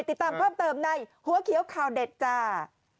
ติดตามความเติมในเวลาหัวเขียวข้าวเด็ดจ้า